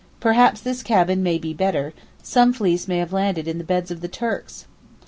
Perhaps this cabin may be better, some fleas may have landed in the beds of the Turks.